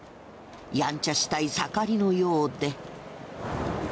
やんちゃしたい盛りのようで。